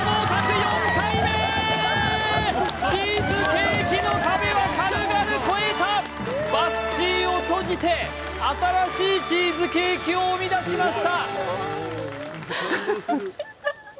４回目チーズケーキの壁は軽々超えたバスチーを閉じて新しいチーズケーキを生み出しました